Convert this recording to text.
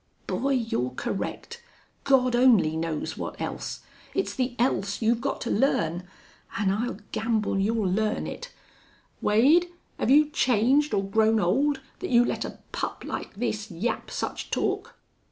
"Boy, you're correct. God only knows what else!... It's the else you've got to learn. An' I'll gamble you'll learn it.... Wade, have you changed or grown old thet you let a pup like this yap such talk?"